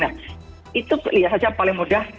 nah itu lihat saja paling mudah